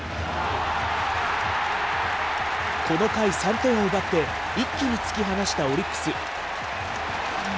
この回、３点を奪って一気に突き放したオリックス。